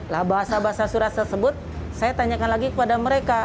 nah bahasa bahasa surat tersebut saya tanyakan lagi kepada mereka